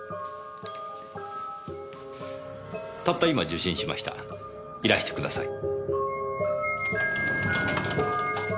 たった今受信しましたいらしてください。